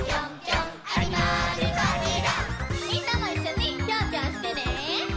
みんなもいっしょにピョンピョンしてね！